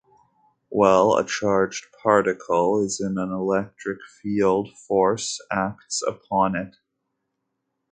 While a charged particle is in an electric field force acts upon it.